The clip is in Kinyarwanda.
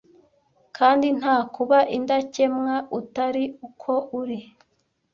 kandi nta kuba indakemwa utari uko uri